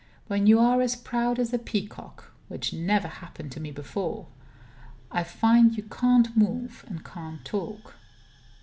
When you are as proud as a peacock (which never happened to me before), I find you can't move and can't talk.